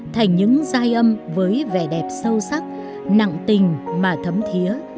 thành những giai âm với vẻ đẹp sâu sắc nặng tình mà thấm thiế